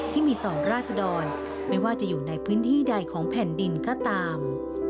ที่มีต่อราศดรไม่ว่าจะอยู่ในพื้นที่ใดของแผ่นดินก็ตาม